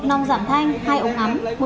một nòng giảm thanh hai ống ấm